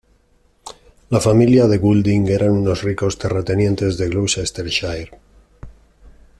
La familia de Goulding eran unos ricos terratenientes de Gloucestershire.